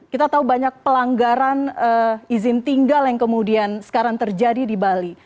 kita tahu banyak pelanggaran izin tinggal yang kemudian sekarang terjadi di bali